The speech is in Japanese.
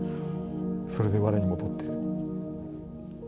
それで我に戻って。